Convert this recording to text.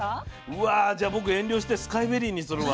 うわじゃあ僕遠慮してスカイベリーにするわ。